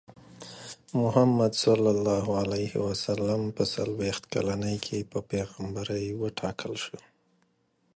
محمد ص په څلوېښت کلنۍ کې په پیغمبرۍ وټاکل شو.